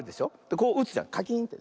こううつじゃんカキーンってね。